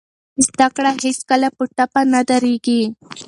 زده کړه هېڅکله په ټپه نه دریږي.